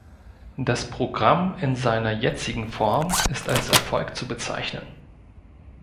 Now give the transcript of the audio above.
Das Programm in seiner jetzigen Form ist als Erfolg zu bezeichnen.